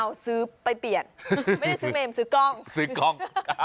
เอ้าซื้อไปเปลี่ยนไม่ได้ซื้อเมมซื้อกล้อง